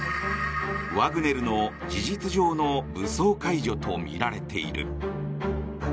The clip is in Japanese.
ワグネルの事実上の武装解除とみられている。